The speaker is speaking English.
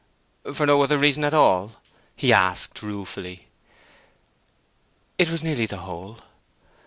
"For no other reason at all?" he asked, ruefully. "It was nearly the whole."